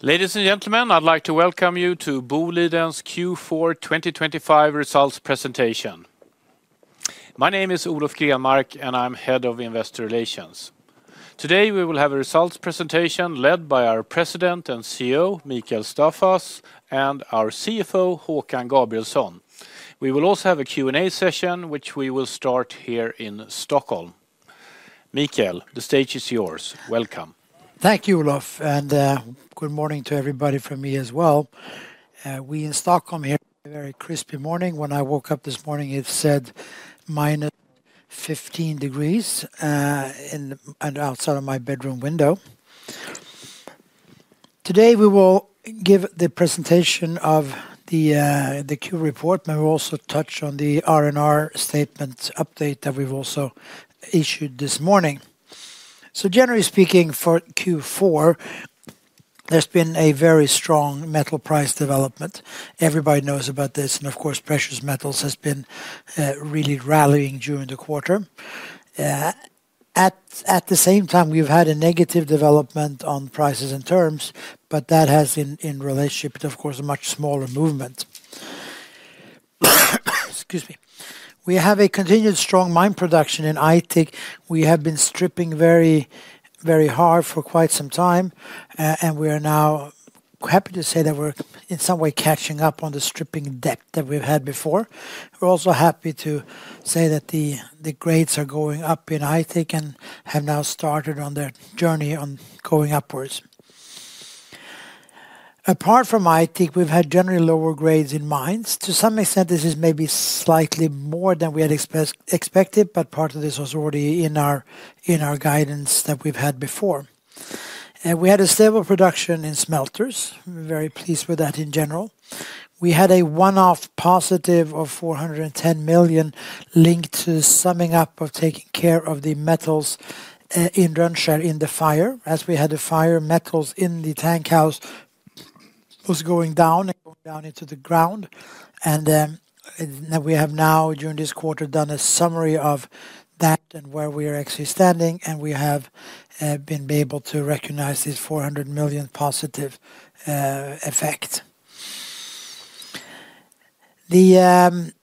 Ladies and gentlemen, I'd like to welcome you to Boliden's Q4 2025 results presentation. My name is Olof Grenmark, and I'm Head of Investor Relations. Today, we will have a results presentation led by our President and CEO, Mikael Staffas, and our CFO, Håkan Gabrielsson. We will also have a Q&A session, which we will start here in Stockholm. Mikael, the stage is yours. Welcome. Thank you, Olof, and good morning to everybody from me as well. We in Stockholm here, a very crispy morning. When I woke up this morning, it said minus 15 degrees in and outside of my bedroom window. Today, we will give the presentation of the Q report, and we'll also touch on the R&R statement update that we've also issued this morning. So generally speaking, for Q4, there's been a very strong metal price development. Everybody knows about this, and of course, precious metals has been really rallying during the quarter. At the same time, we've had a negative development on prices and terms, but that has been in relationship, but of course, a much smaller movement. Excuse me. We have a continued strong mine production in Aitik. We have been stripping very, very hard for quite some time, and we are now happy to say that we're, in some way, catching up on the stripping debt that we've had before. We're also happy to say that the grades are going up in Aitik and have now started on their journey on going upwards. Apart from Aitik, we've had generally lower grades in mines. To some extent, this is maybe slightly more than we had expected, but part of this was already in our guidance that we've had before. We had a stable production in smelters. We're very pleased with that in general. We had a one-off positive of 410 million linked to summing up or taking care of the metals in Rönnskär in the fire. As we had a fire, metals in the tank house was going down and going down into the ground, and we have now, during this quarter, done a summary of that and where we are actually standing, and we have been able to recognize this 400 million positive effect. The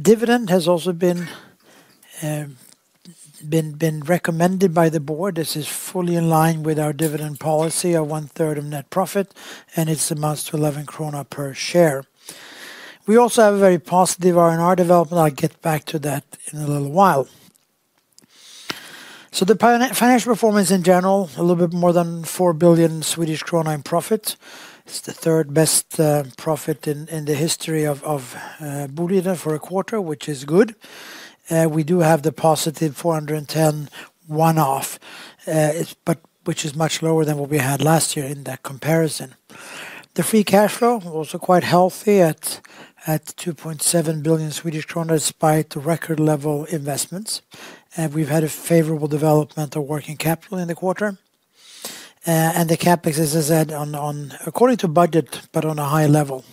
dividend has also been recommended by the board. This is fully in line with our dividend policy of one-third of net profit, and it's amounts to 11 krona per share. We also have a very positive R&R development. I'll get back to that in a little while. So the financial performance in general, a little bit more than 4 billion Swedish kronor in profit. It's the third-best profit in the history of Boliden for a quarter, which is good. We do have the positive 410 one-off, it's but which is much lower than what we had last year in that comparison. The free cash flow, also quite healthy at 2.7 billion Swedish kronor, despite the record-level investments, and we've had a favorable development of working capital in the quarter. The CapEx, as I said, on according to budget, but on a high level.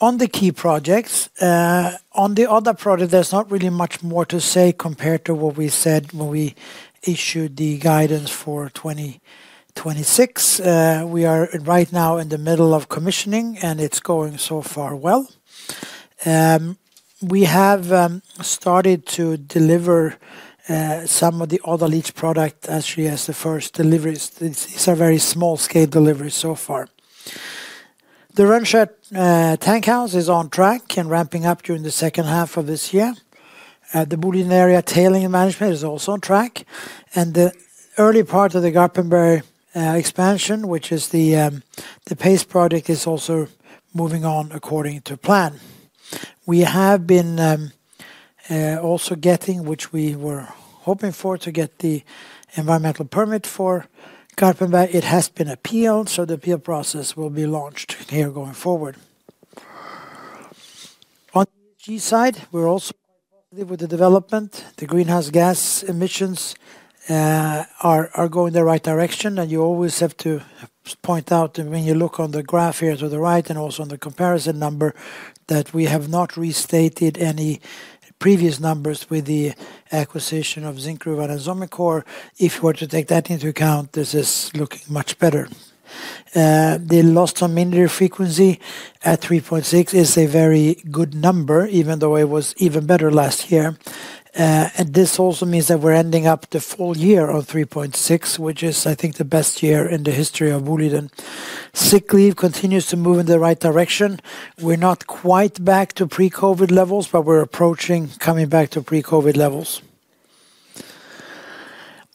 On the key projects, on the other project, there's not really much more to say compared to what we said when we issued the guidance for 2026. We are right now in the middle of commissioning, and it's going so far well. We have started to deliver some of the other leach product, actually, as the first deliveries. It's a very small-scale delivery so far. The Rönnskär tank house is on track and ramping up during the second half of this year. The Boliden Area tailings and management is also on track, and the early part of the Garpenberg expansion, which is the Paste project, is also moving on according to plan. We have been also getting, which we were hoping for, to get the environmental permit for Garpenberg. It has been appealed, so the appeal process will be launched here going forward. On the ESG side, we're also quite positive with the development. The greenhouse gas emissions are going in the right direction, and you always have to point out that when you look on the graph here to the right, and also on the comparison number, that we have not restated any previous numbers with the acquisition of Zinkgruvan and Somincor. If you were to take that into account, this is looking much better. The lost-time injury frequency at 3.6 is a very good number, even though it was even better last year. And this also means that we're ending up the full year on 3.6, which is, I think, the best year in the history of Boliden. Sick leave continues to move in the right direction. We're not quite back to pre-COVID levels, but we're approaching coming back to pre-COVID levels.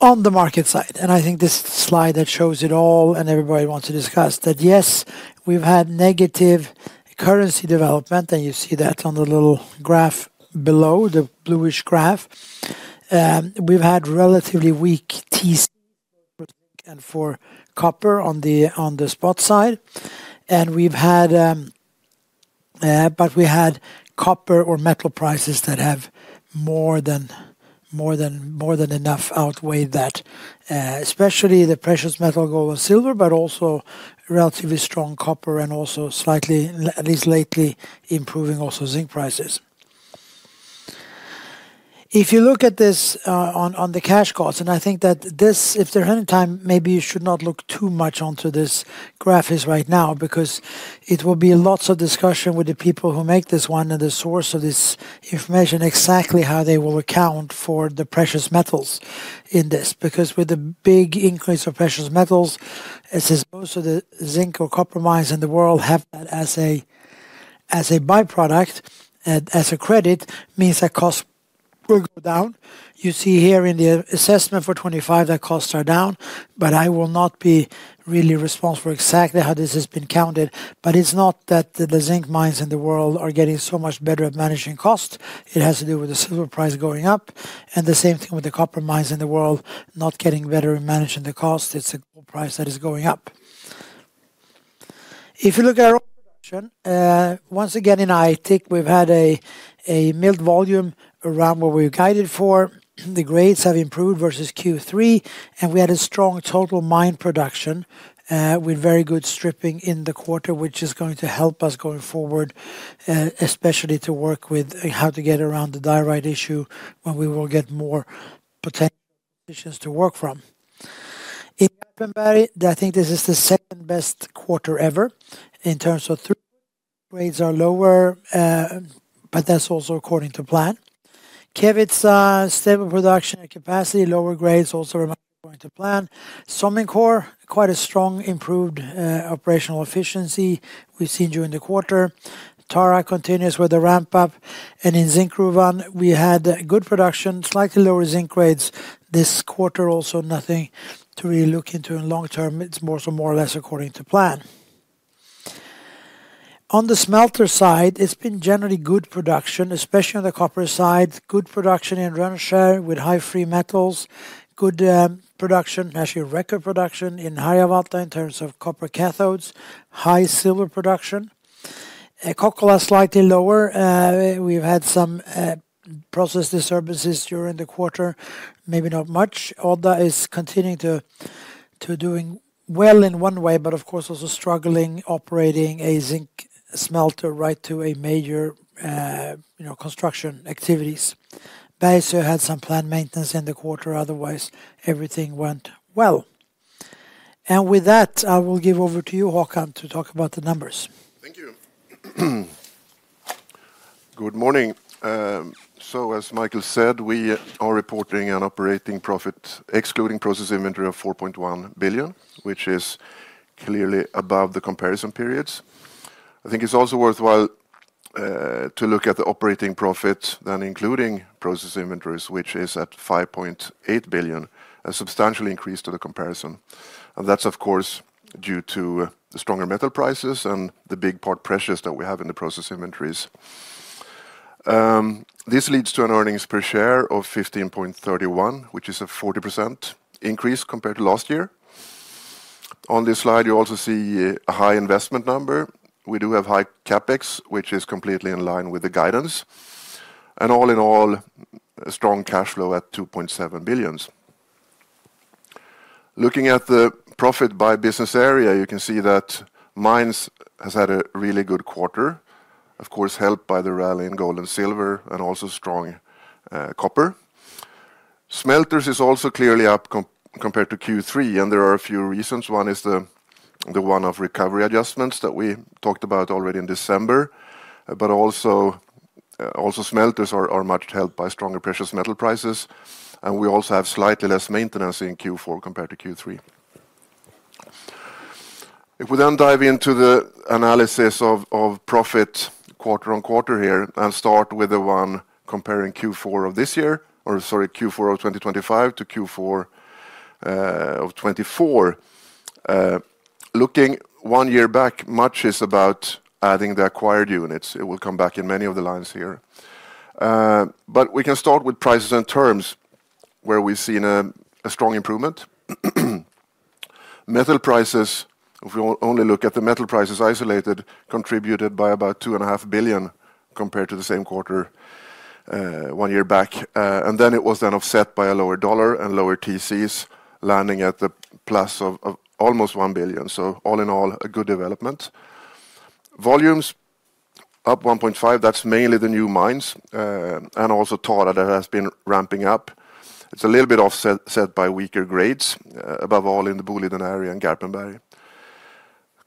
On the market side, and I think this slide that shows it all, and everybody wants to discuss, that yes, we've had negative currency development, and you see that on the little graph below, the bluish graph. We've had relatively weak TC and for copper on the spot side, and we've had... But we had copper or metal prices that have more than, more than, more than enough outweighed that, especially the precious metal, gold and silver, but also relatively strong copper and also slightly, at least lately, improving also zinc prices.... If you look at this, on the cash costs, and I think that this, if there aren't time, maybe you should not look too much onto this graph is right now, because it will be lots of discussion with the people who make this one and the source of this information, exactly how they will account for the precious metals in this. Because with the big increase of precious metals, as is most of the zinc or copper mines in the world, have that as a by-product and as a credit, means that costs will go down. You see here in the assessment for 25, that costs are down, but I will not be really responsible for exactly how this has been counted. But it's not that the zinc mines in the world are getting so much better at managing costs. It has to do with the silver price going up, and the same thing with the copper mines in the world, not getting better in managing the cost. It's a gold price that is going up. If you look at our production, once again, in Aitik, we've had a milled volume around what we've guided for. The grades have improved versus Q3, and we had a strong total mine production, with very good stripping in the quarter, which is going to help us going forward, especially to work with how to get around the diorite issue, when we will get more potential positions to work from. In Garpenberg, I think this is the second-best quarter ever in terms of throughput. Grades are lower, but that's also according to plan. Kevitsa, stable production and capacity, lower grades, also according to plan. Somincor, quite a strong, improved, operational efficiency we've seen during the quarter. Tara continues with the ramp-up, and in Zinkgruvan, we had good production, slightly lower zinc grades this quarter. Also, nothing to really look into in long term. It's more or less according to plan. On the smelter side, it's been generally good production, especially on the copper side. Good production in Rönnskär with high free metals. Good production, actually record production in Harjavalta in terms of copper cathodes, high silver production. Kokkola slightly lower. We've had some process disturbances during the quarter, maybe not much. Odda is continuing to doing well in one way, but of course, also struggling operating a zinc smelter right to a major, you know, construction activities. Bergsöe had some plant maintenance in the quarter, otherwise, everything went well. And with that, I will give over to you, Håkan, to talk about the numbers. Thank you. Good morning. So as Mikael said, we are reporting an operating profit, excluding process inventory of 4.1 billion, which is clearly above the comparison periods. I think it's also worthwhile to look at the operating profit, then including process inventories, which is at 5.8 billion, a substantial increase to the comparison. And that's, of course, due to the stronger metal prices and the big part pressures that we have in the process inventories. This leads to an earnings per share of 15.31, which is a 40% increase compared to last year. On this slide, you also see a high investment number. We do have high CapEx, which is completely in line with the guidance. And all in all, a strong cash flow at 2.7 billion. Looking at the profit by business area, you can see that Mines has had a really good quarter, of course, helped by the rally in gold and silver, and also strong, copper. Smelters is also clearly up compared to Q3, and there are a few reasons. One is the one of recovery adjustments that we talked about already in December, but also, also smelters are much helped by stronger precious metal prices, and we also have slightly less maintenance in Q4 compared to Q3. If we then dive into the analysis of profit quarter on quarter here, and start with the one comparing Q4 of this year, or sorry, Q4 of 2025 to Q4 of 2024. Looking one year back, much is about adding the acquired units. It will come back in many of the lines here. But we can start with prices and terms, where we've seen a strong improvement. Metal prices, if we only look at the metal prices isolated, contributed by about 2.5 billion compared to the same quarter one year back. And then it was offset by a lower dollar and lower TCs, landing at the plus of almost 1 billion. So all in all, a good development. Volumes up 1.5. That's mainly the new mines and also Tara that has been ramping up. It's a little bit offset by weaker grades, above all, in the Boliden Area and Garpenberg.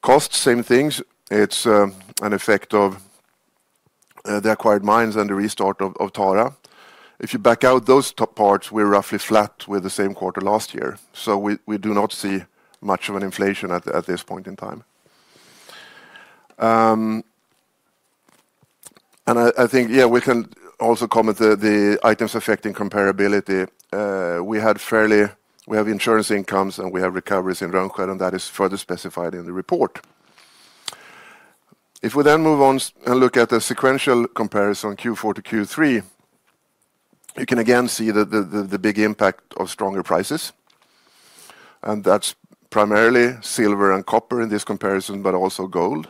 Cost, same things. It's an effect of the acquired mines and the restart of Tara. If you back out those top parts, we're roughly flat with the same quarter last year. So we do not see much of an inflation at this point in time. And I think we can also comment the items affecting comparability. We have insurance incomes, and we have recoveries in Rönnskär, and that is further specified in the report. If we then move on and look at the sequential comparison, Q4 to Q3, you can again see the big impact of stronger prices, and that's primarily silver and copper in this comparison, but also gold.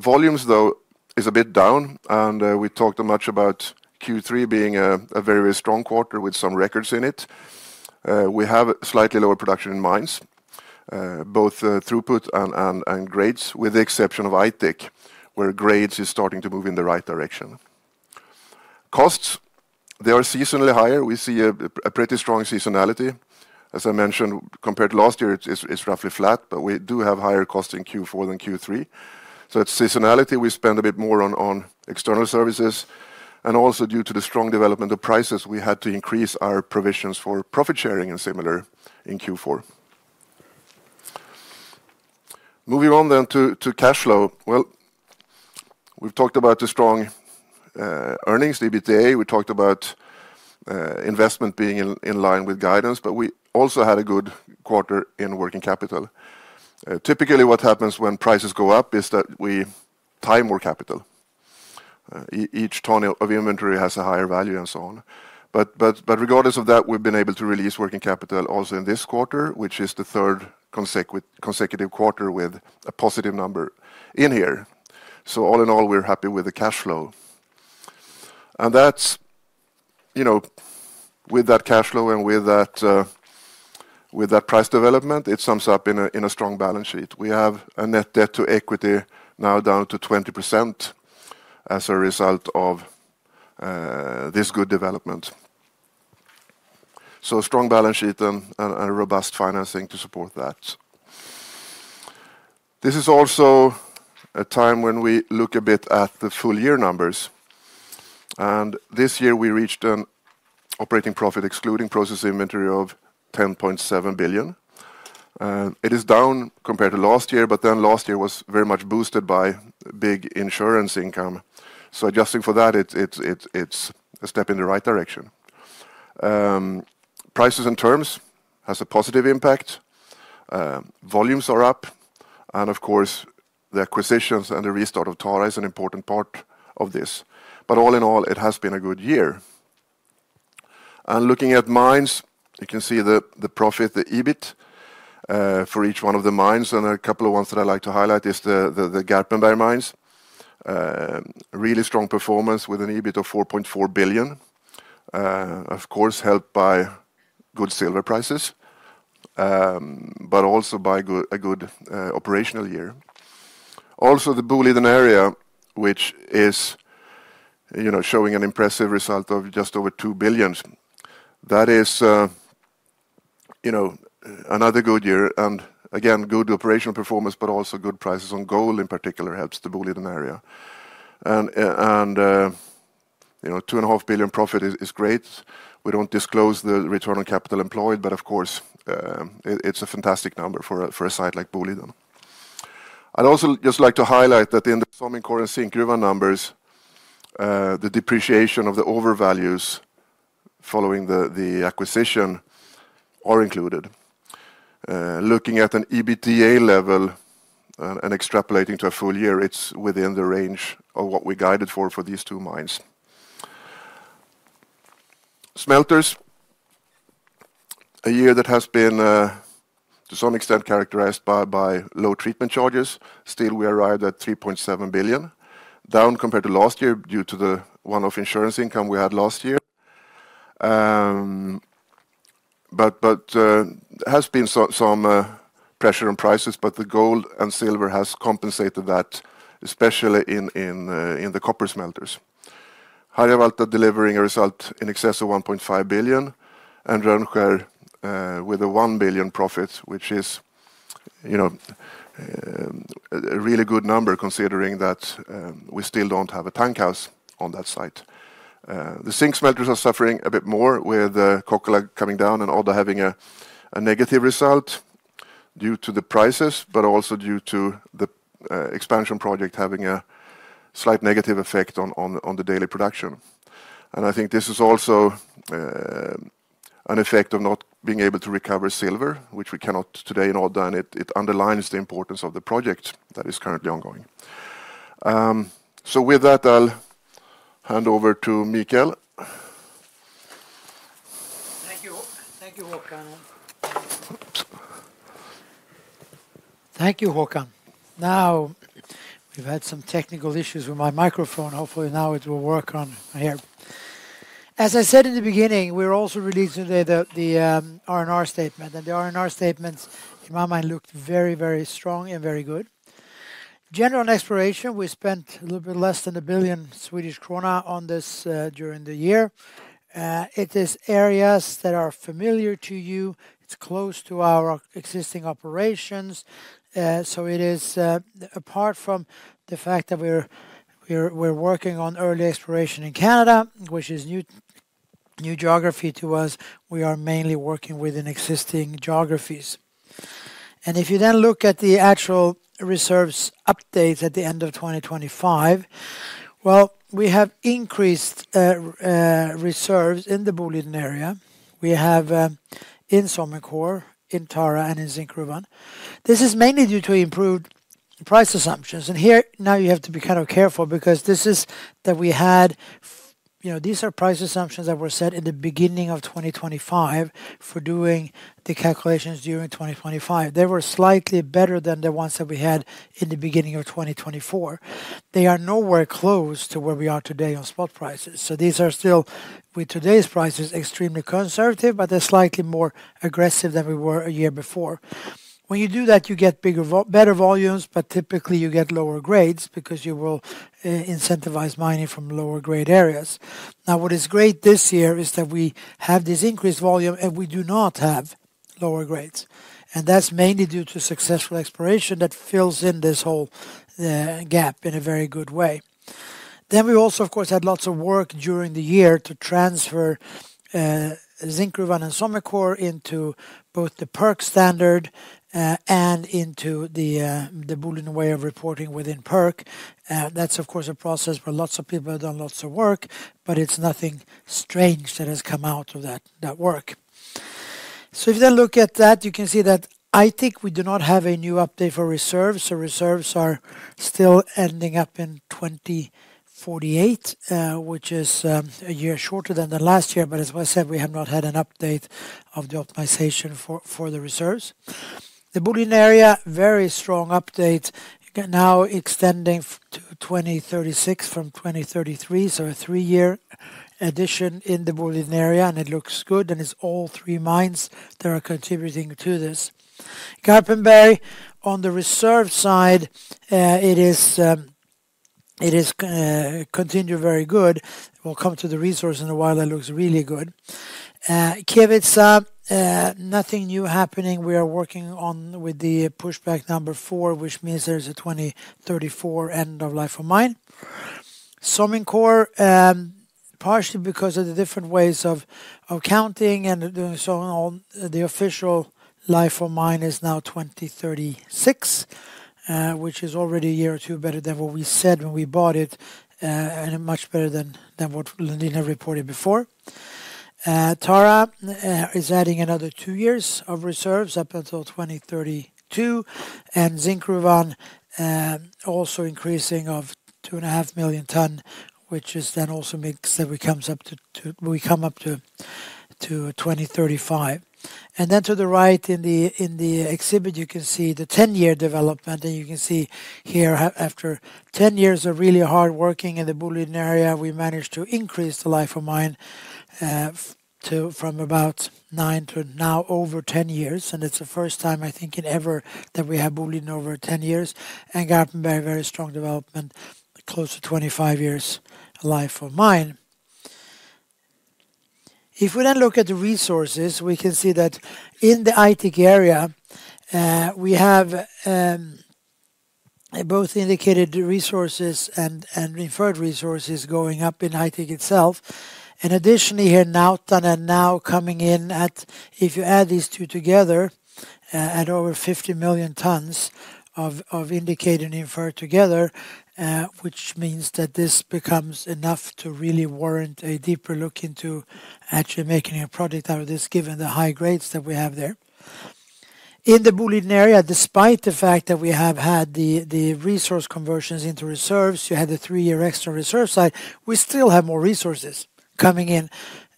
Volumes, though, is a bit down, and we talked much about Q3 being a very strong quarter with some records in it. We have slightly lower production in mines, both throughput and grades, with the exception of Aitik, where grades is starting to move in the right direction. Costs, they are seasonally higher. We see a pretty strong seasonality. As I mentioned, compared to last year, it's roughly flat, but we do have higher costs in Q4 than Q3. So it's seasonality. We spend a bit more on external services, and also due to the strong development of prices, we had to increase our provisions for profit sharing and similar in Q4. Moving on then to cash flow. Well, we've talked about the strong earnings, EBITDA. We talked about investment being in line with guidance, but we also had a good quarter in working capital. Typically, what happens when prices go up is that we tie more capital. Each ton of inventory has a higher value, and so on. Regardless of that, we've been able to release working capital also in this quarter, which is the third consecutive quarter with a positive number in here. So all in all, we're happy with the cash flow. And that's, you know, with that cash flow and with that, with that price development, it sums up in a, in a strong balance sheet. We have a net debt to equity now down to 20% as a result of this good development. So a strong balance sheet and a robust financing to support that. This is also a time when we look a bit at the full year numbers, and this year, we reached an operating profit, excluding process inventory, of 10.7 billion. It is down compared to last year, but then last year was very much boosted by big insurance income. So adjusting for that, it's a step in the right direction. Prices and terms has a positive impact. Volumes are up, and of course, the acquisitions and the restart of Tara is an important part of this. But all in all, it has been a good year. And looking at mines, you can see the profit, the EBIT, for each one of the mines. And a couple of ones that I'd like to highlight is the Garpenberg mines. Really strong performance with an EBIT of 4.4 billion. Of course, helped by good silver prices, but also by good operational year. Also, the Boliden Area, which is, you know, showing an impressive result of just over 2 billion. That is, you know, another good year, and again, good operational performance, but also good prices on gold in particular, helps the Boliden Area. And, you know, 2.5 billion profit is great. We don't disclose the return on capital employed, but of course, it's a fantastic number for a site like Boliden. I'd also just like to highlight that in the foreign currency in Zinkgruvan numbers, the depreciation of the overvalues following the acquisition are included. Looking at an EBITDA level, and extrapolating to a full year, it's within the range of what we guided for these two mines. Smelters, a year that has been, to some extent, characterized by low treatment charges. Still, we arrived at 3.7 billion, down compared to last year due to the one-off insurance income we had last year. But there has been some pressure on prices, but the gold and silver has compensated that, especially in the copper smelters. Harjavalta delivering a result in excess of 1.5 billion, and Rönnskär with a 1 billion profit, which is, you know, a really good number, considering that we still don't have a tank house on that site. The zinc smelters are suffering a bit more with Kokkola coming down and also having a negative result due to the prices, but also due to the expansion project having a slight negative effect on the daily production. I think this is also an effect of not being able to recover silver, which we cannot today in order, and it underlines the importance of the project that is currently ongoing. So with that, I'll hand over to Mikael. Thank you. Thank you, Håkan. Oops. Thank you, Håkan. Now, we've had some technical issues with my microphone. Hopefully, now it will work on here. As I said in the beginning, we're also releasing today the R&R statement, and the R&R statements, in my mind, looked very, very strong and very good. General and exploration, we spent a little bit less than 1 billion Swedish krona on this during the year. It is areas that are familiar to you. It's close to our existing operations. So it is apart from the fact that we're working on early exploration in Canada, which is new geography to us, we are mainly working within existing geographies. And if you then look at the actual reserves updates at the end of 2025, well, we have increased reserves in the Boliden Area. We have in Somincor, in Tara, and in Zinkgruvan. This is mainly due to improved price assumptions, and here, now you have to be kind of careful because this is, you know, these are price assumptions that were set in the beginning of 2025 for doing the calculations during 2025. They were slightly better than the ones that we had in the beginning of 2024. They are nowhere close to where we are today on spot prices. So these are still, with today's prices, extremely conservative, but they're slightly more aggressive than we were a year before. When you do that, you get better volumes, but typically you get lower grades because you will incentivize mining from lower grade areas. Now, what is great this year is that we have this increased volume, and we do not have lower grades, and that's mainly due to successful exploration that fills in this whole gap in a very good way. Then we also, of course, had lots of work during the year to transfer Zinkgruvan and Somincor into both the PERC standard and into the Boliden way of reporting within PERC. That's of course a process where lots of people have done lots of work, but it's nothing strange that has come out of that work. So if you then look at that, you can see that Aitik we do not have a new update for reserves. So reserves are still ending up in 2048, which is a year shorter than the last year. But as I said, we have not had an update of the optimization for the reserves. The Boliden Area, very strong update, now extending to 2036 from 2033, so a 3-year addition in the Boliden Area, and it looks good, and it's all three mines that are contributing to this. Garpenberg, on the reserve side, it is continuing very good. We'll come to the resource in a while. That looks really good. Kevitsa, nothing new happening. We are working on with the pushback number four, which means there's a 2034 end of life of mine. Somincor, partially because of the different ways of counting and doing so on, the official life of mine is now 2036, which is already a year or two better than what we said when we bought it, and much better than what Lundin had reported before. Tara is adding another two years of reserves up until 2032, and Zinkgruvan also increasing of 2.5 million ton, which is then also makes that we comes up to 2035. And then to the right, in the exhibit, you can see the 10-year development, and you can see here, after 10 years of really hard working in the Boliden Area, we managed to increase the life of mine to from about 9 to now over 10 years, and it's the first time, I think, in ever that we have Boliden over 10 years. And Garpenberg, very strong development, close to 25 years life of mine. If we then look at the resources, we can see that in the Aitik area, we have both indicated resources and inferred resources going up in Aitik itself. Additionally, here, Nautanen are now coming in at, if you add these two together, at over 50 million tons of, of indicated and inferred together, which means that this becomes enough to really warrant a deeper look into actually making a project out of this, given the high grades that we have there. In the Boliden Area, despite the fact that we have had the, the resource conversions into reserves, you had the three-year extra reserve site, we still have more resources coming in,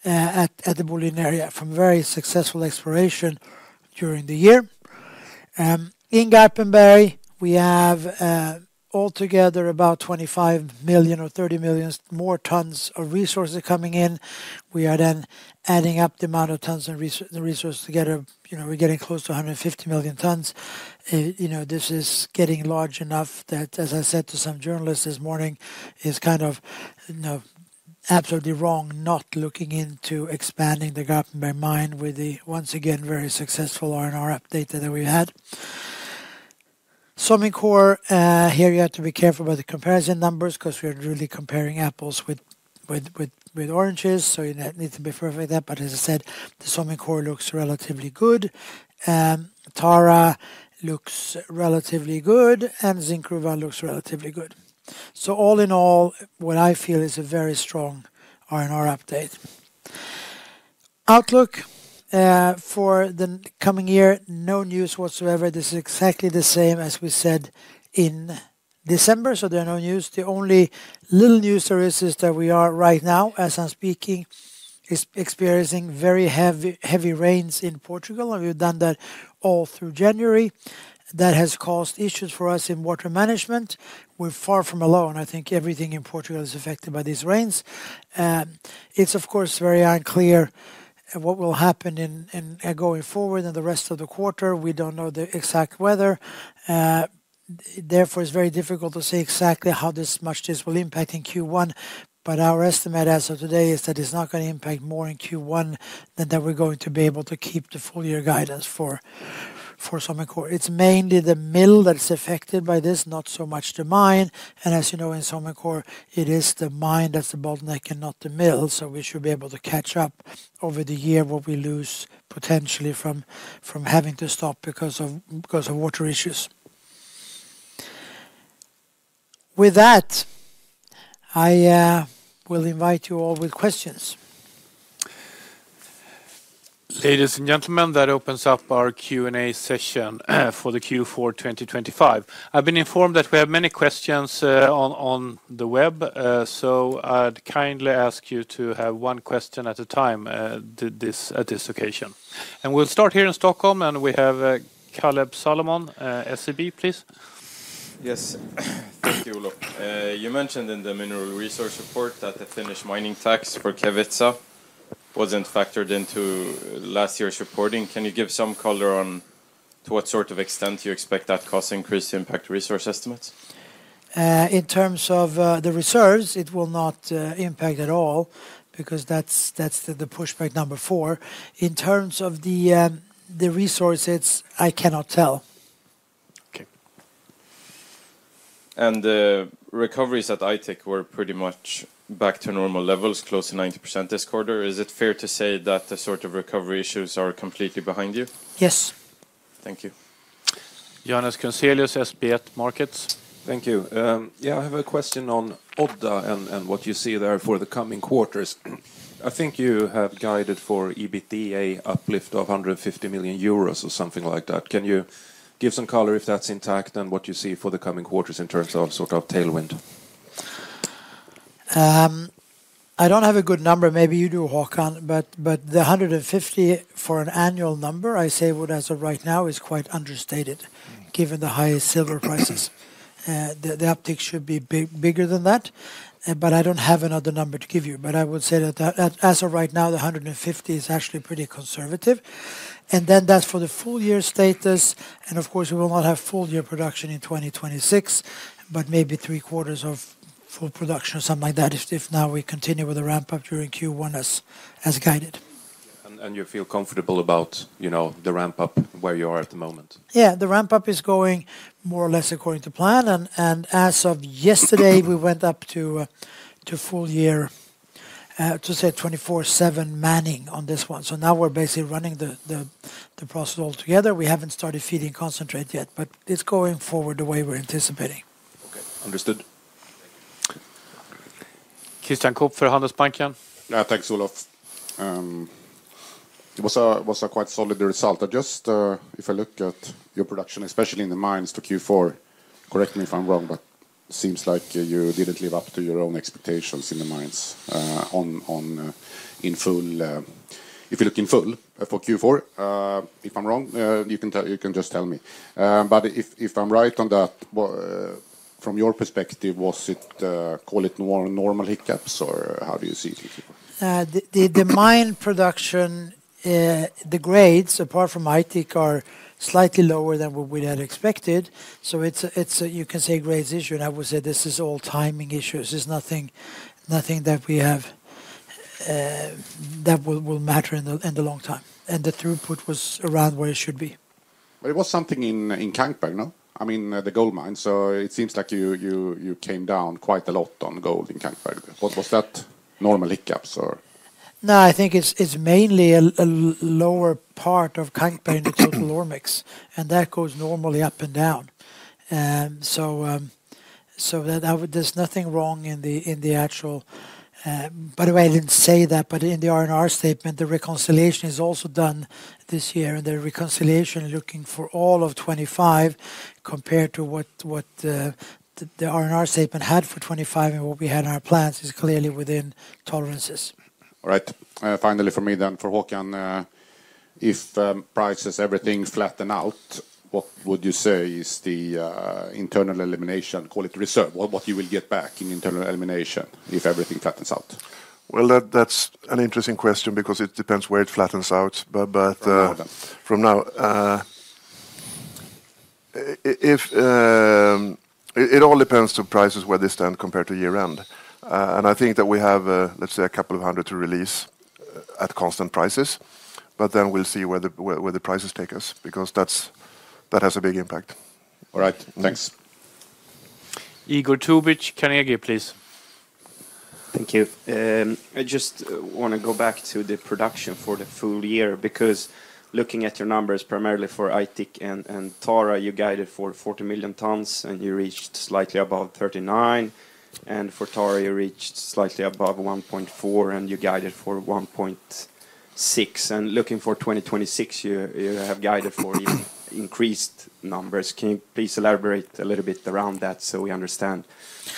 at the Boliden Area from very successful exploration during the year. In Garpenberg, we have, altogether about 25 million or 30 million more tons of resources coming in. We are then adding up the amount of tons and the resource together. You know, we're getting close to 150 million tons. You know, this is getting large enough that, as I said to some journalists this morning, it's kind of, you know, absolutely wrong, not looking into expanding the Garpenberg mine with the, once again, very successful R&R update that we had. Somincor, here you have to be careful about the comparison numbers 'cause we are really comparing apples with oranges, so you need to be fair with that. But as I said, the Somincor looks relatively good, Tara looks relatively good, and Zinkgruvan looks relatively good. So all in all, what I feel is a very strong R&R update. Outlook, for the coming year, no news whatsoever. This is exactly the same as we said in December, so there are no news. The only little news there is, is that we are right now, as I'm speaking, experiencing very heavy, heavy rains in Portugal, and we've done that all through January. That has caused issues for us in water management. We're far from alone. I think everything in Portugal is affected by these rains. It's of course very unclear what will happen in going forward in the rest of the quarter. We don't know the exact weather. Therefore, it's very difficult to say exactly how much this will impact in Q1, but our estimate as of today is that it's not gonna impact more in Q1 than that we're going to be able to keep the full year guidance for Somincor. It's mainly the mill that's affected by this, not so much the mine, and as you know, in Somincor, it is the mine that's the bottleneck and not the mill, so we should be able to catch up over the year what we lose potentially from having to stop because of water issues. With that, I will invite you all with questions. Ladies and gentlemen, that opens up our Q&A session for the Q4 2025. I've been informed that we have many questions, on the web, so I'd kindly ask you to have one question at a time, to this occasion. We'll start here in Stockholm, and we have Caleb Heiner, SEB, please. Yes. Thank you, Olof. You mentioned in the mineral resource report that the Finnish mining tax for Kevitsa wasn't factored into last year's reporting. Can you give some color on to what sort of extent you expect that cost increase to impact resource estimates? In terms of the reserves, it will not impact at all because that's the pushback number 4. In terms of the resources, I cannot tell. Okay. The recoveries at Aitik were pretty much back to normal levels, close to 90% this quarter. Is it fair to say that the sort of recovery issues are completely behind you? Yes. Thank you. Johannes Grunselius, SpareBank 1 Markets. Thank you. Yeah, I have a question on Odda and what you see there for the coming quarters. I think you have guided for EBITDA uplift of 150 million euros or something like that. Can you give some color if that's intact, and what you see for the coming quarters in terms of sort of tailwind? I don't have a good number. Maybe you do, Håkan, but the 150 for an annual number, I say would, as of right now, is quite understated- - Given the highest silver prices. The uptick should be bigger than that, but I don't have another number to give you. But I would say that, as of right now, the 150 is actually pretty conservative. And then that's for the full year status, and of course, we will not have full year production in 2026, but maybe three quarters of full production or something like that, if now we continue with the ramp-up during Q1 as guided. And you feel comfortable about, you know, the ramp-up, where you are at the moment? Yeah, the ramp-up is going more or less according to plan. And as of yesterday, we went up to full year, to say 24/7 manning on this one. So now we're basically running the process all together. We haven't started feeding concentrate yet, but it's going forward the way we're anticipating. Okay. Understood. Christian Kopfer for Handelsbanken. Yeah, thanks, Olof. It was a quite solid result. I just, if I look at your production, especially in the mines to Q4, correct me if I'm wrong, but seems like you didn't live up to your own expectations in the mines, on, on, in full, if you look in full for Q4. If I'm wrong, you can tell- you can just tell me. But if, if I'm right on that, well, from your perspective, was it, call it nor- normal hiccups, or how do you see it? The mine production, the grades, apart from Aitik, are slightly lower than what we had expected. So it's a grades issue, and I would say this is all timing issues. There's nothing that we have that will matter in the long term, and the throughput was around where it should be. But it was something in Kankberg, no? I mean, the gold mine. So it seems like you came down quite a lot on gold in Kankberg. What, was that normal hiccups, or? No, I think it's mainly a lower part of Kankberg in the total ore mix, and that goes normally up and down. There's nothing wrong in the actual. By the way, I didn't say that, but in the R&R statement, the reconciliation is also done this year, and the reconciliation looking for all of 2025, compared to what the R&R statement had for 2025 and what we had in our plans, is clearly within tolerances. All right. Finally, for me then, for Håkan, if prices, everything flatten out, what would you say is the internal elimination, call it reserve, what you will get back in internal elimination if everything flattens out? Well, that's an interesting question because it depends where it flattens out. But, From now... From now, if it all depends to prices, where they stand compared to year-end. And I think that we have, let's say, a couple of hundred to release, at constant prices, but then we'll see where the prices take us, because that has a big impact. All right. Thanks. Igor Tubic, Carnegie, please. Thank you. I just want to go back to the production for the full year, because looking at your numbers, primarily for Aitik and Tara, you guided for 40 million tons, and you reached slightly above 39. For Tara, you reached slightly above 1.4, and you guided for 1.6. Looking for 2026, you have guided for increased numbers. Can you please elaborate a little bit around that so we understand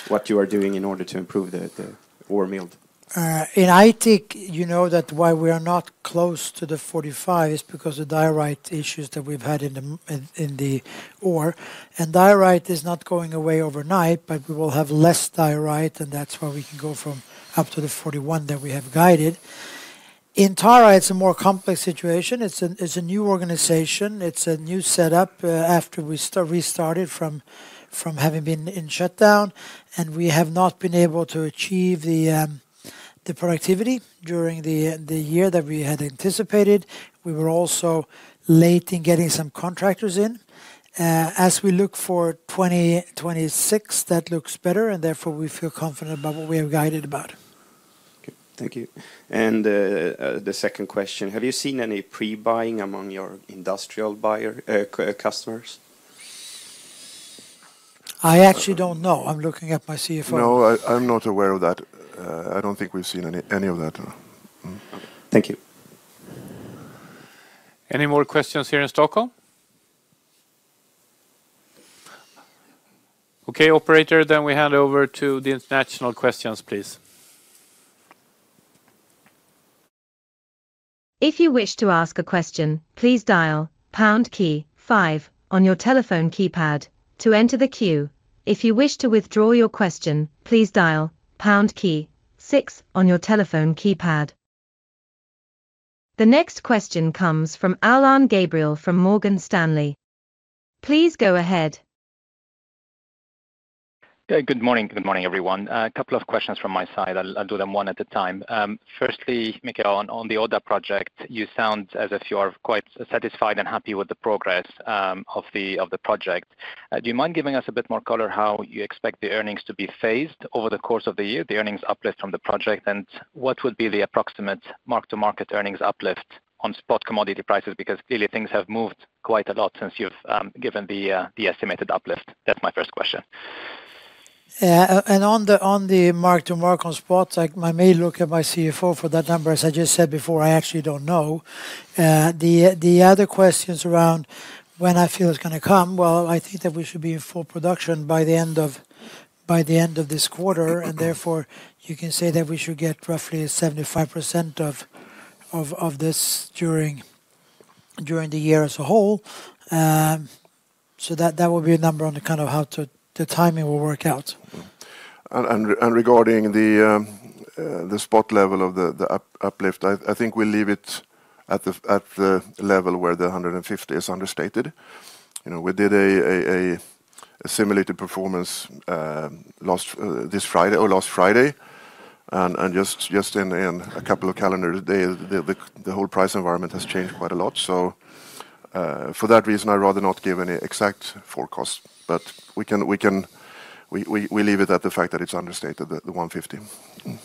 what you are doing in order to improve the ore yield? In Aitik, you know that why we are not close to the 45 is because the diorite issues that we've had in the mine, in the ore. And diorite is not going away overnight, but we will have less diorite, and that's why we can go from up to the 41 that we have guided. In Tara, it's a more complex situation. It's a new organization. It's a new setup, after we stopped and restarted from having been in shutdown, and we have not been able to achieve the productivity during the year that we had anticipated. We were also late in getting some contractors in. As we look for 2026, that looks better, and therefore, we feel confident about what we have guided about. Okay. Thank you. The second question: Have you seen any pre-buying among your industrial buyer customers? I actually don't know. I'm looking at my CFO. No, I'm not aware of that. I don't think we've seen any of that, no. Mm-hmm. Thank you. Any more questions here in Stockholm? Okay, operator, then we hand over to the international questions, please.... If you wish to ask a question, please dial pound key five on your telephone keypad to enter the queue. If you wish to withdraw your question, please dial pound key six on your telephone keypad. The next question comes from Alain Gabriel from Morgan Stanley. Please go ahead. Good morning. Good morning, everyone. A couple of questions from my side. I'll, I'll do them one at a time. Firstly, Mikael, on, on the Odda project, you sound as if you are quite satisfied and happy with the progress, of the, of the project. Do you mind giving us a bit more color how you expect the earnings to be phased over the course of the year, the earnings uplift from the project? And what would be the approximate mark-to-market earnings uplift on spot commodity prices? Because clearly things have moved quite a lot since you've, given the, the estimated uplift. That's my first question. And on the mark-to-market on spot, like, I may look at my CFO for that number. As I just said before, I actually don't know. The other question's around when I feel it's gonna come. Well, I think that we should be in full production by the end of this quarter, and therefore, you can say that we should get roughly 75% of this during the year as a whole. So that will be a number on the kind of how to... the timing will work out. Regarding the spot level of the uplift, I think we'll leave it at the level where the $150 is understated. You know, we did a simulated performance last this Friday or last Friday, and just in a couple of calendar days, the whole price environment has changed quite a lot. So, for that reason, I'd rather not give any exact forecast, but we can we leave it at the fact that it's understated, the $150.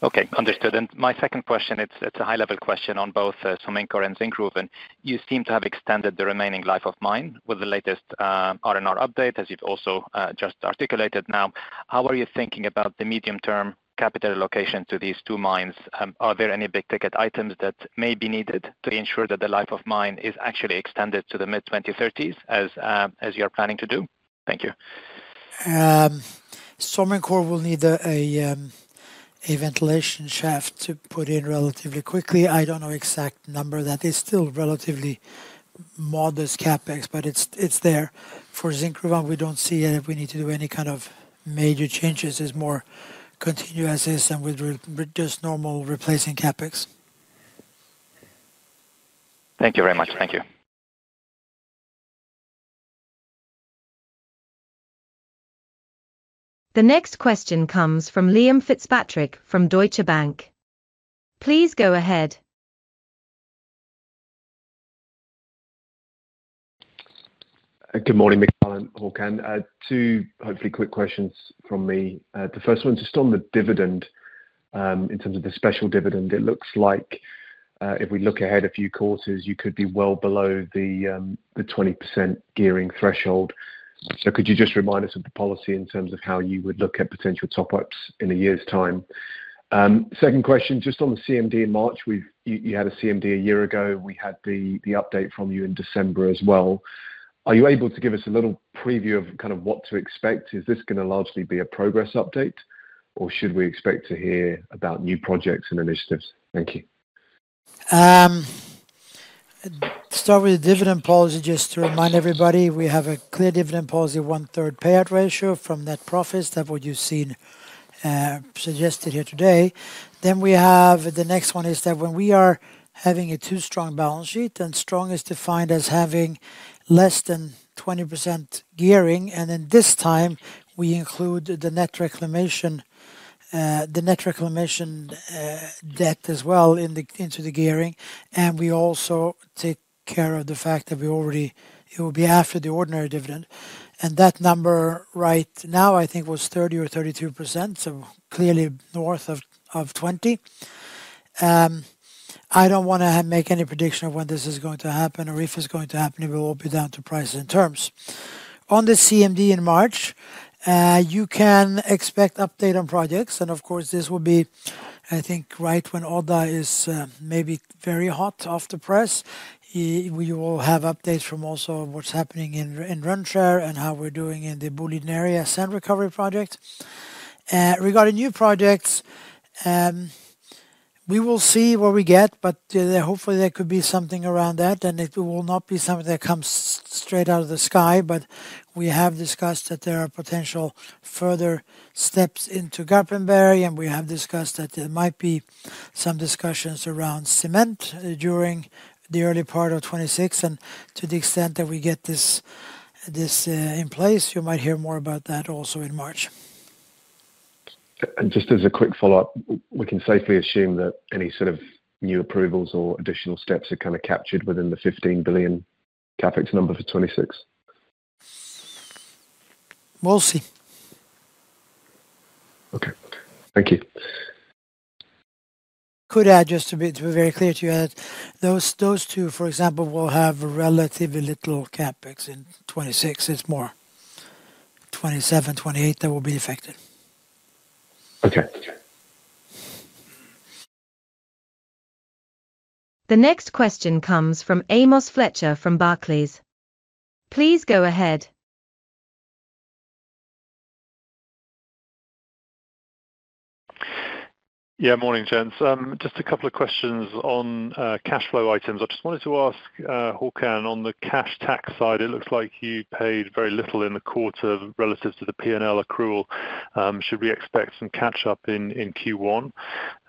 Okay, understood. My second question, it's a high-level question on both Somincor and Zinkgruvan. You seem to have extended the remaining life of mine with the latest R&R update, as you've also just articulated now. How are you thinking about the medium-term capital allocation to these two mines? Are there any big-ticket items that may be needed to ensure that the life of mine is actually extended to the mid-2030s, as you are planning to do? Thank you. Somincor will need a ventilation shaft to put in relatively quickly. I don't know exact number. That is still relatively modest CapEx, but it's there. For Zinkgruvan, we don't see it if we need to do any kind of major changes. It's more continuous as is, and with just normal replacing CapEx. Thank you very much. Thank you. The next question comes from Liam Fitzpatrick from Deutsche Bank. Please go ahead. Good morning, Mikael and Håkan. Two hopefully quick questions from me. The first one is just on the dividend. In terms of the special dividend, it looks like, if we look ahead a few quarters, you could be well below the, the 20% gearing threshold. So could you just remind us of the policy in terms of how you would look at potential top-ups in a year's time? Second question, just on the CMD in March, you had a CMD a year ago, and we had the, the update from you in December as well. Are you able to give us a little preview of kind of what to expect? Is this gonna largely be a progress update, or should we expect to hear about new projects and initiatives? Thank you. Start with the dividend policy. Just to remind everybody, we have a clear dividend policy of one-third payout ratio from net profits. That's what you've seen suggested here today. Then we have, the next one is that when we are having a too strong balance sheet, and strong is defined as having less than 20% gearing, and then this time we include the net reclamation debt as well into the gearing. We also take care of the fact that we already... It will be after the ordinary dividend, and that number right now, I think, was 30 or 32%, so clearly north of 20. I don't wanna make any prediction of when this is going to happen or if it's going to happen. It will all be down to prices and terms. On the CMD in March, you can expect update on projects, and of course, this will be, I think, right when Odda is, maybe very hot off the press. We will have updates from also what's happening in Rönnskär and how we're doing in the Boliden Area Sand Recovery project. Regarding new projects, we will see what we get, but, hopefully there could be something around that, and it will not be something that comes straight out of the sky. But we have discussed that there are potential further steps into Garpenberg, and we have discussed that there might be some discussions around cement during the early part of 2026. And to the extent that we get this, this, in place, you might hear more about that also in March. Just as a quick follow-up, we can safely assume that any sort of new approvals or additional steps are kinda captured within the 15 billion CapEx number for 2026? We'll see. Okay. Thank you. Could add, just to be very clear to you that those two, for example, will have relatively little CapEx in 2026. It's more 2027, 2028 that will be affected. Okay. The next question comes from Amos Fletcher from Barclays. Please go ahead. ... Yeah, morning, gents. Just a couple of questions on cash flow items. I just wanted to ask, Håkan, on the cash tax side, it looks like you paid very little in the quarter relative to the PNL accrual. Should we expect some catch-up in Q1?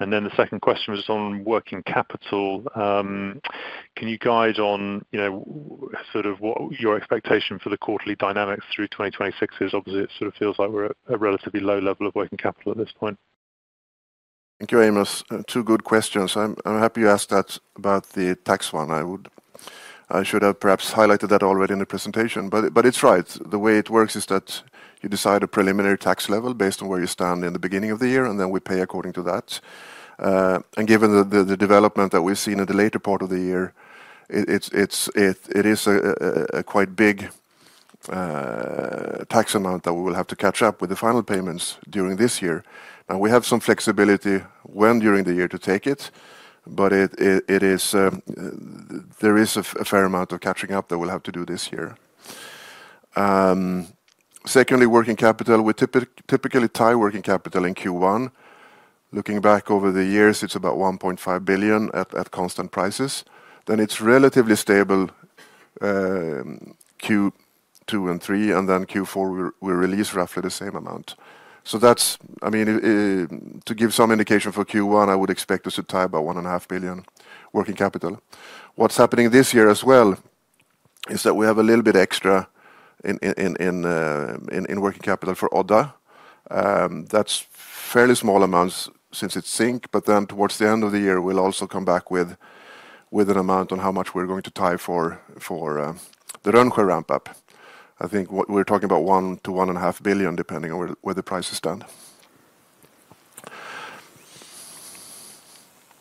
And then the second question was on working capital. Can you guide on, you know, sort of what your expectation for the quarterly dynamics through 2026 is? Obviously, it sort of feels like we're at a relatively low level of working capital at this point. Thank you, Amos. Two good questions. I'm happy you asked that about the tax one. I should have perhaps highlighted that already in the presentation, but it's right. The way it works is that you decide a preliminary tax level based on where you stand in the beginning of the year, and then we pay according to that. And given the development that we've seen in the later part of the year, it is a quite big tax amount that we will have to catch up with the final payments during this year. Now, we have some flexibility when during the year to take it, but it is. There is a fair amount of catching up that we'll have to do this year. Secondly, working capital. We typically tie working capital in Q1. Looking back over the years, it's about 1.5 billion at constant prices. Then it's relatively stable, Q2 and three, and then Q4, we release roughly the same amount. So that's. I mean, to give some indication for Q1, I would expect us to tie about 1.5 billion working capital. What's happening this year as well, is that we have a little bit extra in working capital for Odda. That's fairly small amounts since it's zinc, but then towards the end of the year, we'll also come back with an amount on how much we're going to tie for the Rönnskär ramp up. I think what we're talking about 1-1.5 billion, depending on where the prices stand.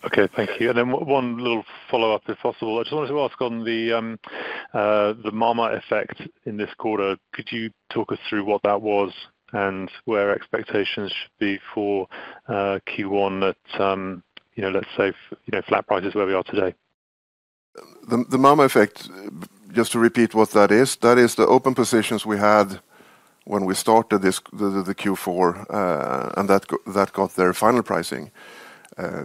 Okay, thank you. Then one little follow-up, if possible. I just wanted to ask on the MAMA effect in this quarter. Could you talk us through what that was and where expectations should be for Q1, you know, let's say flat price is where we are today? The MAMA effect, just to repeat what that is, that is the open positions we had when we started this, the Q4, and that got their final pricing.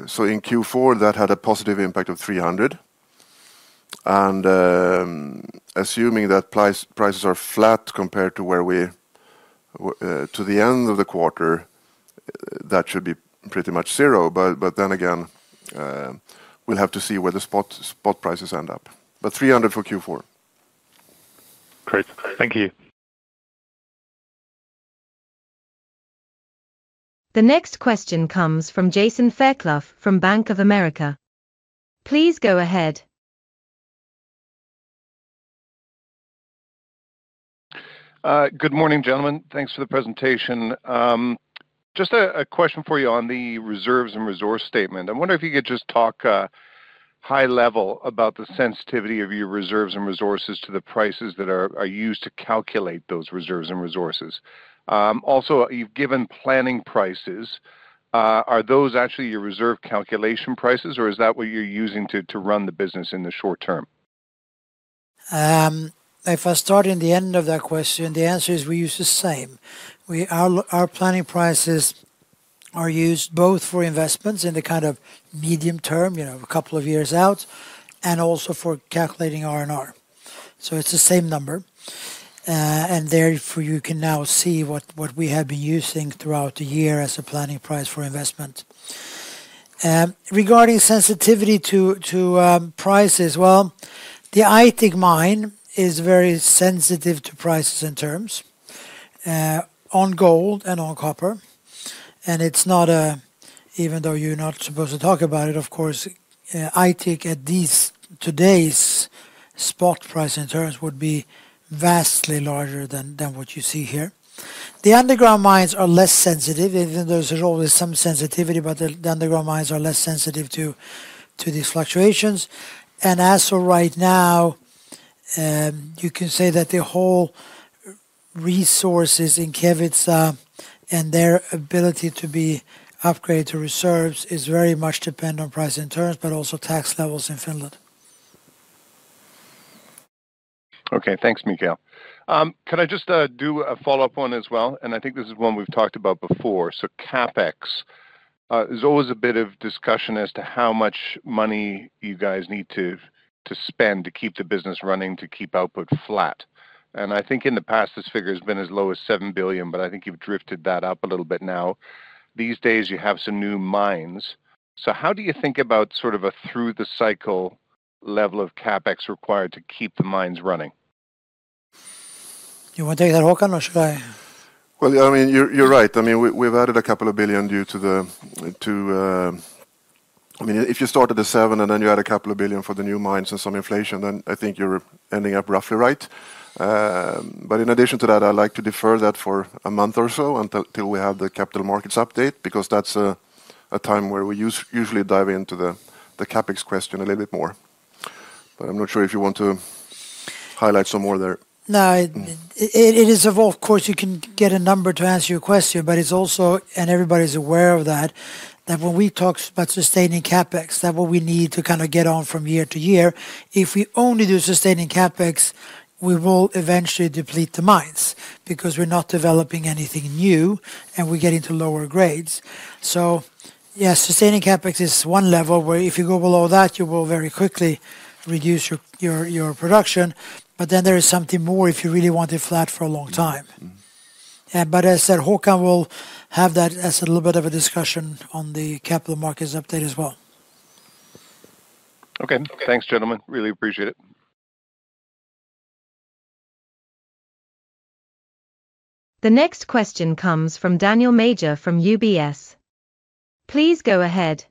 So in Q4, that had a positive impact of 300. Assuming that prices are flat compared to where we to the end of the quarter, that should be pretty much zero, but then again, we'll have to see where the spot prices end up. But 300 for Q4. Great. Thank you. The next question comes from Jason Fairclough from Bank of America. Please go ahead. Good morning, gentlemen. Thanks for the presentation. Just a question for you on the reserves and resource statement. I wonder if you could just talk high level about the sensitivity of your reserves and resources to the prices that are used to calculate those reserves and resources. Also, you've given planning prices. Are those actually your reserve calculation prices, or is that what you're using to run the business in the short term? If I start in the end of that question, the answer is we use the same. Our planning prices are used both for investments in the kind of medium term, you know, a couple of years out, and also for calculating R&R. So it's the same number. And therefore, you can now see what we have been using throughout the year as a planning price for investment. Regarding sensitivity to prices, well, the Aitik mine is very sensitive to prices and terms on gold and on copper, and it's not... Even though you're not supposed to talk about it, of course, Aitik, at today's spot price and terms would be vastly larger than what you see here. The underground mines are less sensitive, even though there's always some sensitivity, but the underground mines are less sensitive to these fluctuations. As of right now, you can say that the whole resources in Kevitsa and their ability to be upgraded to reserves is very much dependent on price and terms, but also tax levels in Finland. Okay, thanks, Mikael. Can I just do a follow-up one as well? And I think this is one we've talked about before. So CapEx, there's always a bit of discussion as to how much money you guys need to spend to keep the business running, to keep output flat. And I think in the past, this figure has been as low as 7 billion, but I think you've drifted that up a little bit now. These days, you have some new mines. So how do you think about sort of a through the cycle level of CapEx required to keep the mines running? You want to take that, Håkan, or should I? Well, I mean, you're, you're right. I mean, we've, we've added 2 billion due to the, to, I mean, if you start at the 7 billion SEK and then you add 2 billion for the new mines and some inflation, then I think you're ending up roughly right. But in addition to that, I'd like to defer that for a month or so until till we have the capital markets update, because that's a time where we usually dive into the CapEx question a little bit more. But I'm not sure if you want to highlight some more there. No, it is, of course, you can get a number to answer your question, but it's also, and everybody's aware of that, that when we talk about sustaining CapEx, that what we need to kind of get on from year to year. If we only do sustaining CapEx, we will eventually deplete the mines because we're not developing anything new, and we're getting to lower grades. So, yeah, sustaining CapEx is one level, where if you go below that, you will very quickly reduce your production. But then there is something more if you really want it flat for a long time. As I said, Håkan will have that as a little bit of a discussion on the capital markets update as well. Okay. Thanks, gentlemen. Really appreciate it. The next question comes from Daniel Major from UBS. Please go ahead.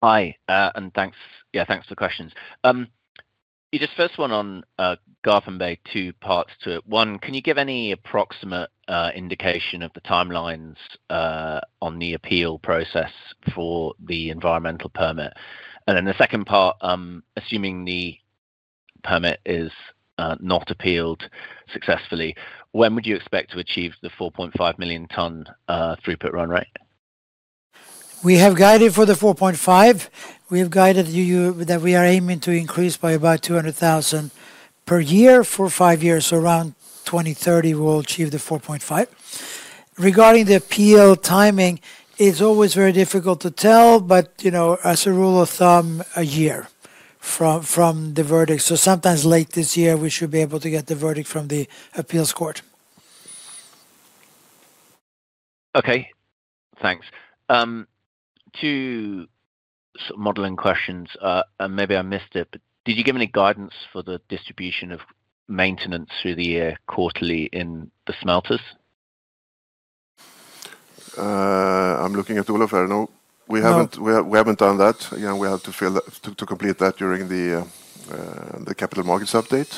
Hi, and thanks. Yeah, thanks for the questions. Just first one on Garpenberg, two parts to it. One, can you give any approximate indication of the timelines on the appeal process for the environmental permit? And then the second part, assuming the permit is not appealed successfully, when would you expect to achieve the 4.5 million ton throughput run rate? We have guided for the 4.5. We have guided you that we are aiming to increase by about 200,000 per year for 5 years. So around 2030, we'll achieve the 4.5. Regarding the appeal timing, it's always very difficult to tell, but, you know, as a rule of thumb, a year from the verdict. So sometimes late this year, we should be able to get the verdict from the appeals court. Okay, thanks. Two modeling questions. And maybe I missed it, but did you give any guidance for the distribution of maintenance through the year quarterly in the smelters? I'm looking at Olof. No, we haven't- No. We haven't done that. Again, we have to fill that to complete that during the capital markets update.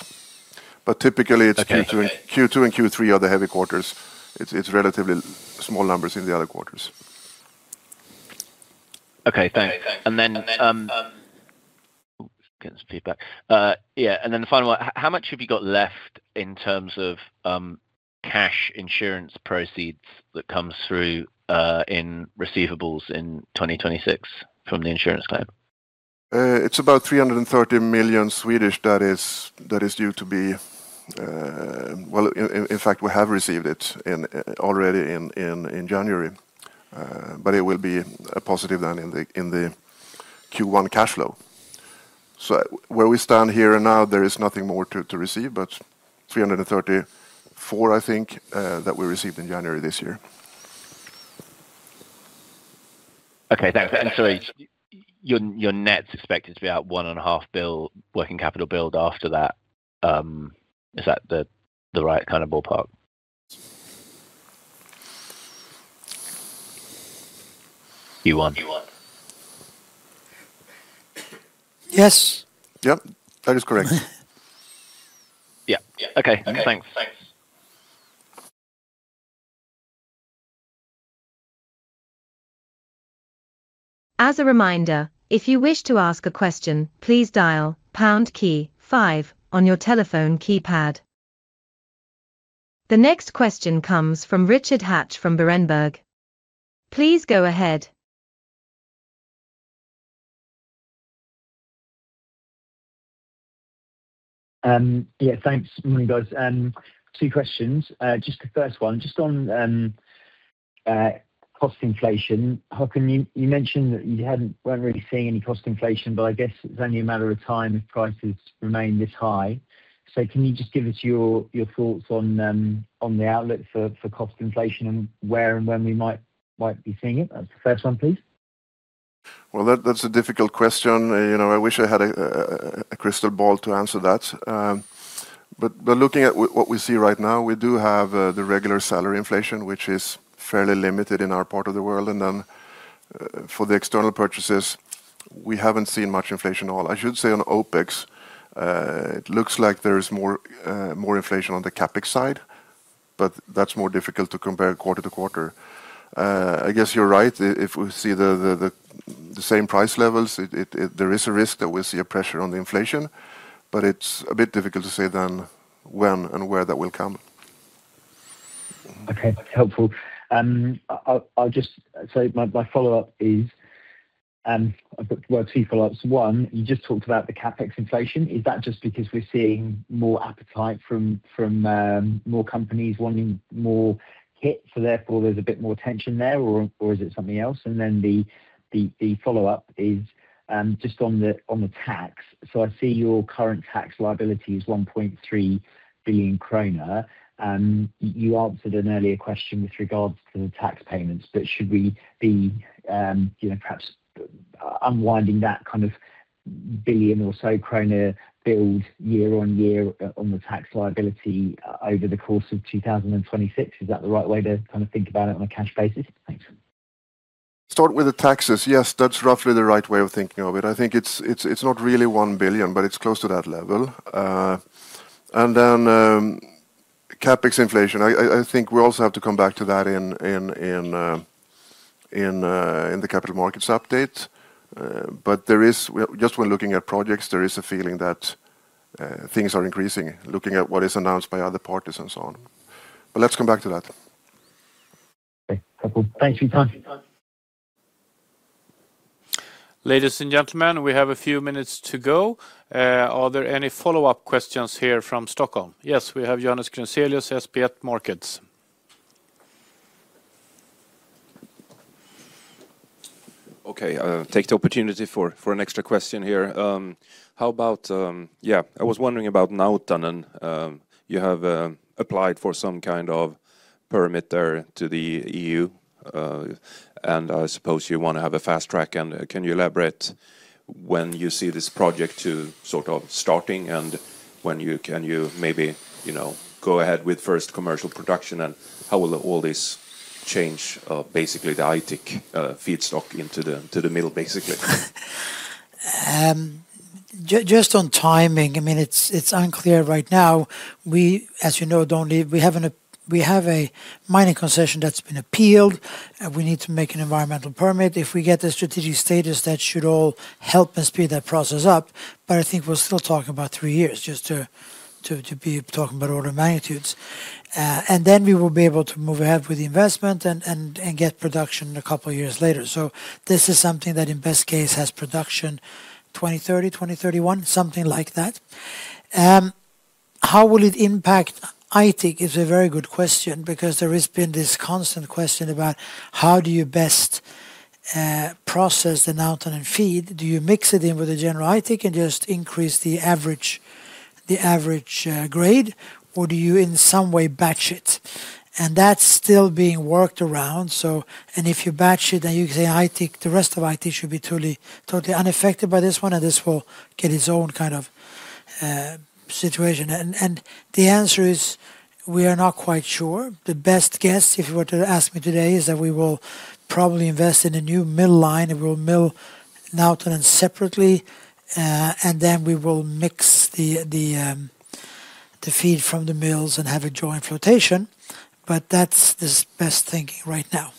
But typically- Okay It's Q2 and Q2 and Q3 are the heavy quarters. It's, it's relatively small numbers in the other quarters. Okay, thanks. And then, oh, getting some feedback. Yeah, and then the final one, how much have you got left in terms of cash insurance proceeds that comes through in receivables in 2026 from the insurance claim? It's about 330 million that is due to be. Well, in fact, we have received it already in January, but it will be a positive then in the Q1 cash flow. So where we stand here and now, there is nothing more to receive, but 334 million, I think, that we received in January this year. Okay, thanks. So your net's expected to be out 1.5 billion working capital build after that. Is that the right kind of ballpark you want? Yes. Yep, that is correct. Yeah. Okay, thanks. As a reminder, if you wish to ask a question, please dial pound key five on your telephone keypad. The next question comes from Richard Hatch from Berenberg. Please go ahead. Yeah, thanks. Morning, guys. Two questions. Just the first one, just on cost inflation. Håkan, you mentioned that you hadn't, weren't really seeing any cost inflation, but I guess it's only a matter of time if prices remain this high. So can you just give us your thoughts on the outlet for cost inflation and where and when we might be seeing it? That's the first one, please. Well, that's a difficult question. You know, I wish I had a crystal ball to answer that. But looking at what we see right now, we do have the regular salary inflation, which is fairly limited in our part of the world. And then, for the external purchases, we haven't seen much inflation at all. I should say on OpEx, it looks like there is more inflation on the CapEx side, but that's more difficult to compare quarter to quarter. I guess you're right. If we see the same price levels, it... There is a risk that we'll see a pressure on the inflation, but it's a bit difficult to say when and where that will come. Okay, that's helpful. I'll just— So my follow-up is, well, two follow-ups. One, you just talked about the CapEx inflation. Is that just because we're seeing more appetite from more companies wanting more kit, so therefore, there's a bit more tension there, or is it something else? And then the follow-up is just on the tax. So I see your current tax liability is 1.3 billion kronor, and you answered an earlier question with regards to the tax payments. But should we be, you know, perhaps unwinding that kind of 1 billion or so krona build year on year on the tax liability over the course of 2026? Is that the right way to kind of think about it on a cash basis? Thanks. Starting with the taxes, yes, that's roughly the right way of thinking of it. I think it's not really 1 billion, but it's close to that level. And then, CapEx inflation, I think we also have to come back to that in the capital markets update. But there is... Just when looking at projects, there is a feeling that things are increasing, looking at what is announced by other parties and so on. But let's come back to that. Okay, cool. Thanks for your time.... Ladies and gentlemen, we have a few minutes to go. Are there any follow-up questions here from Stockholm? Yes, we have Johannes Grunselius, SpareBank 1 Markets. Okay, take the opportunity for an extra question here. How about, yeah, I was wondering about Nautanen. You have applied for some kind of permit there to the EU, and I suppose you want to have a fast track. And can you elaborate when you see this project to sort of starting, and when you can you maybe, you know, go ahead with first commercial production? And how will all this change, basically the Aitik feedstock into the, to the mill, basically? Just on timing, I mean, it's unclear right now. We, as you know, don't need... We have a mining concession that's been appealed, and we need to make an environmental permit. If we get the strategic status, that should all help us speed that process up, but I think we're still talking about three years, just to be talking about order of magnitudes. And then we will be able to move ahead with the investment and get production a couple of years later. So this is something that, in best case, has production 2030, 2031, something like that. How will it impact Aitik is a very good question because there has been this constant question about how do you best process the Nautanen feed? Do you mix it in with the general Aitik and just increase the average grade, or do you, in some way, batch it? And that's still being worked around, so... And if you batch it, then you say Aitik, the rest of Aitik should be truly, totally unaffected by this one, and this will get its own kind of situation. And the answer is, we are not quite sure. The best guess, if you were to ask me today, is that we will probably invest in a new mill line, and we'll mill Nautanen separately, and then we will mix the feed from the mills and have a joint flotation. But that's our best thinking right now.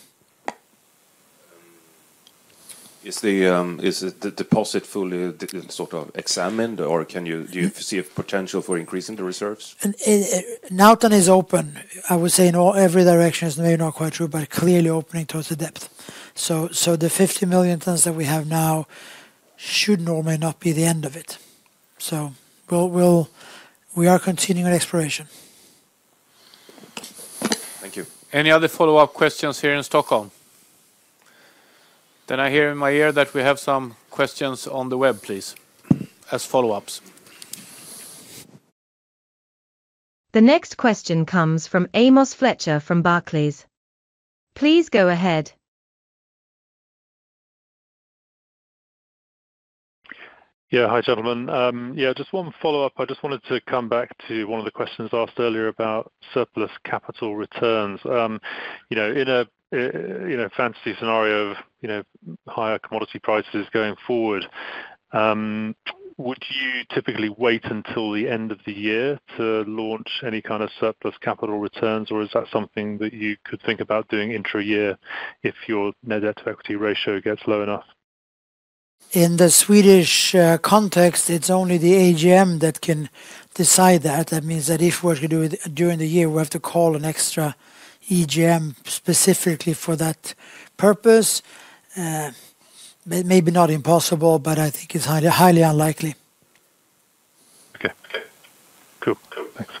Is it the deposit fully sort of examined, or can you see a potential for increasing the reserves? Nautanen is open. I would say in all every direction is maybe not quite true, but clearly opening towards the depth. So, the 50 million tons that we have now should normally not be the end of it. So we'll... We are continuing exploration. Thank you. Any other follow-up questions here in Stockholm? I hear in my ear that we have some questions on the web, please, as follow-ups. The next question comes from Amos Fletcher from Barclays. Please go ahead. Yeah. Hi, gentlemen. Yeah, just one follow-up. I just wanted to come back to one of the questions asked earlier about surplus capital returns. You know, in a fantasy scenario of you know, higher commodity prices going forward, would you typically wait until the end of the year to launch any kind of surplus capital returns, or is that something that you could think about doing intra-year if your net debt-to-equity ratio gets low enough? In the Swedish context, it's only the AGM that can decide that. That means that if we're to do it during the year, we have to call an extra EGM specifically for that purpose. Maybe not impossible, but I think it's highly, highly unlikely. Okay. Cool. Thanks.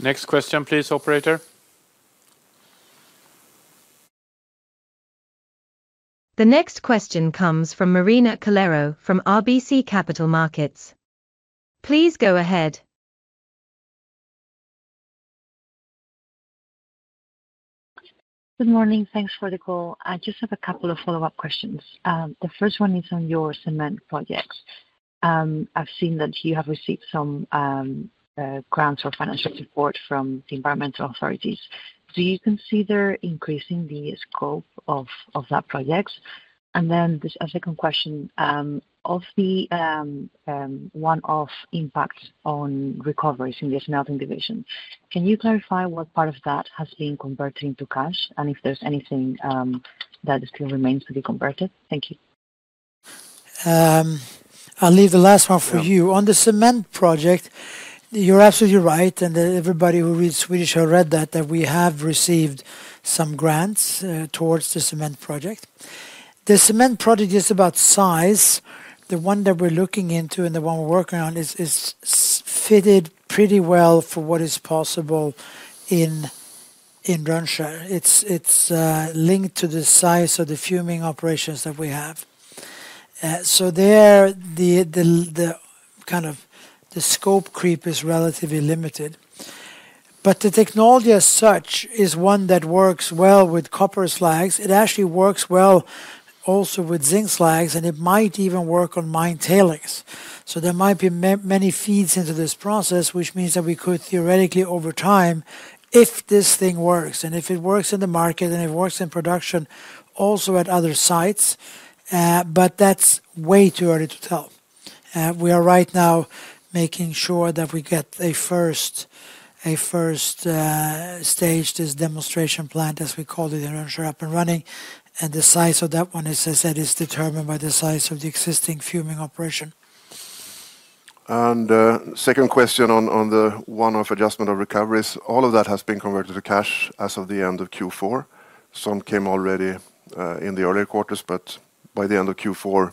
Next question, please, operator. The next question comes from Marina Calero from RBC Capital Markets. Please go ahead. Good morning. Thanks for the call. I just have a couple of follow-up questions. The first one is on your cement projects. I've seen that you have received some grants or financial support from the environmental authorities. Do you consider increasing the scope of that projects? And then the second question, of the one-off impact on recoveries in the smelting division, can you clarify what part of that has been converted into cash, and if there's anything that still remains to be converted? Thank you. I'll leave the last one for you. Yeah. On the cement project, you're absolutely right, and everybody who reads Swedish have read that, that we have received some grants towards the cement project. The cement project is about size. The one that we're looking into and the one we're working on is fitted pretty well for what is possible in Rönnskär. It's linked to the size of the fuming operations that we have. So there, the kind of scope creep is relatively limited. But the technology as such is one that works well with copper slags. It actually works well also with zinc slags, and it might even work on mine tailings. So there might be many feeds into this process, which means that we could theoretically, over time, if this thing works, and if it works in the market, and it works in production, also at other sites, but that's way too early to tell. We are right now making sure that we get a first stage this demonstration plant, as we call it, in Rönnskär, up and running, and the size of that one, as I said, is determined by the size of the existing fuming operation.... And, second question on the one-off adjustment of recoveries, all of that has been converted to cash as of the end of Q4. Some came already in the earlier quarters, but by the end of Q4,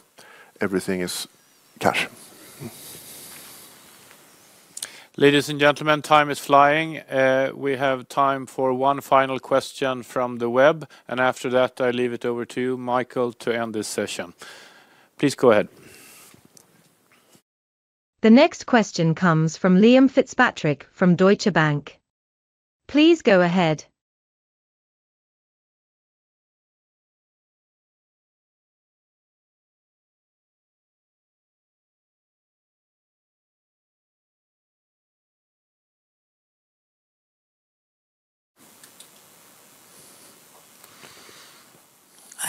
everything is cash. Ladies and gentlemen, time is flying. We have time for one final question from the web, and after that, I leave it over to you, Michael, to end this session. Please go ahead. The next question comes from Liam Fitzpatrick from Deutsche Bank. Please go ahead.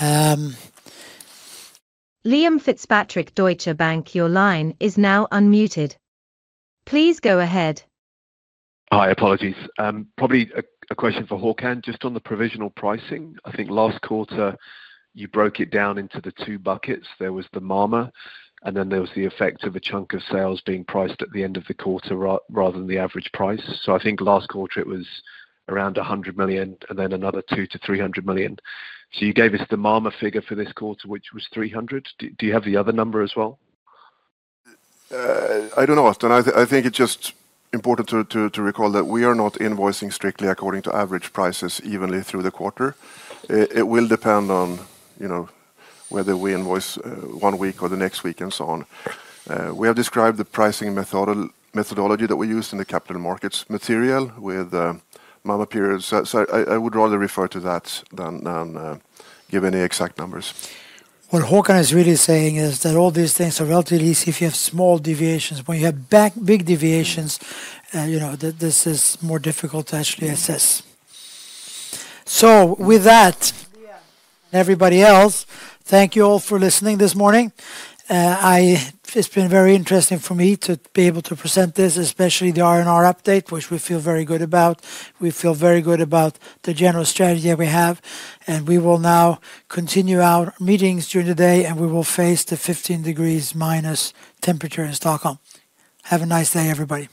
Liam Fitzpatrick, Deutsche Bank, your line is now unmuted. Please go ahead. Hi, apologies. Probably a question for Håkan, just on the provisional pricing. I think last quarter you broke it down into the two buckets. There was the MAMA, and then there was the effect of a chunk of sales being priced at the end of the quarter rather than the average price. So I think last quarter it was around 100 million, and then another 200-300 million. So you gave us the MAMA figure for this quarter, which was 300 million. Do you have the other number as well? I don't know, Austin. I think it's just important to recall that we are not invoicing strictly according to average prices evenly through the quarter. It will depend on, you know, whether we invoice one week or the next week, and so on. We have described the pricing methodology that we used in the capital markets material with MAMA periods. So I would rather refer to that than give any exact numbers. What Håkan is really saying is that all these things are relatively easy if you have small deviations. When you have big deviations, you know, this is more difficult to actually assess. So with that, everybody else, thank you all for listening this morning. I... It's been very interesting for me to be able to present this, especially the R&R update, which we feel very good about. We feel very good about the general strategy that we have, and we will now continue our meetings during the day, and we will face the 15 degrees minus temperature in Stockholm. Have a nice day, everybody.